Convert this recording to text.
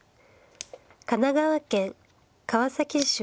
神奈川県川崎市出身。